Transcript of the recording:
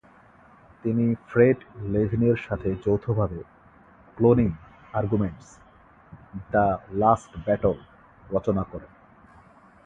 তিনি ফ্রেড লেভিনের সাথে যৌথভাবে "ক্লোনিং আর্গুমেন্টস-দ্য লাস্ট ব্যাটল" রচনা করেন।